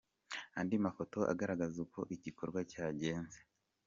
Andi mafoto agaragaza uko igikorwa cyagenze.